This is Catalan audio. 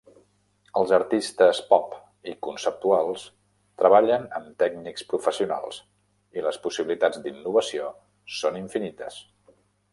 Els artistes pop i conceptuals treballen amb tècnics professionals i les possibilitats d'innovació són infinites.